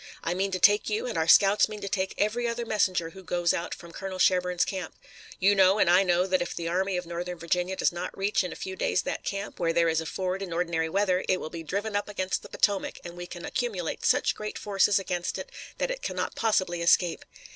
I mean to take you, and our scouts mean to take every other messenger who goes out from Colonel Sherburne's camp. You know, and I know, that if the Army of Northern Virginia does not reach in a few days that camp, where there is a ford in ordinary weather, it will be driven up against the Potomac and we can accumulate such great forces against it that it cannot possibly escape.